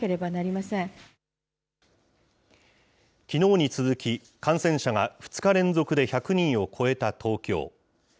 きのうに続き、感染者が２日連続で１００人を超えた東京。